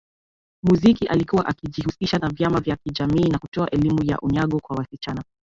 muziki alikuwa akijihusisha na vyama vya kijamii na kutoa elimu ya unyago kwa wasichana